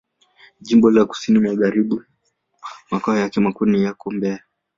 Jimbo la Kusini Magharibi Makao yake makuu yako Mbeya.